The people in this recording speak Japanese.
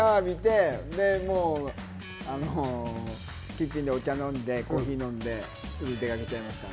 で、もうキッチンでお茶飲んで、コーヒー飲んで、すぐ出かけちゃいます。